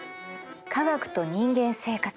「科学と人間生活」